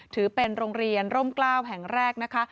ถือเป็นโรงเรียนร่มกล้าวแห่งแรกนะคะ